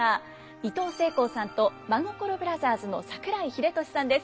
いとうせいこうさんと真心ブラザーズの桜井秀俊さんです。